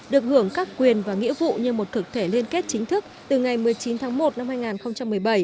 được hưởng các quyền và nghĩa vụ như một thực thể liên kết chính thức từ ngày một mươi chín tháng một năm hai nghìn một mươi bảy